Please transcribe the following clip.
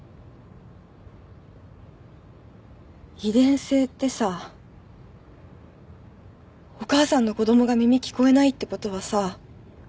遺伝性ってさお母さんの子供が耳聞こえないってことはさ